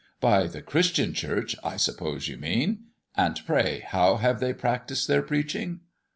"By the Christian Church, I suppose you mean. And pray how have they practised their preaching?"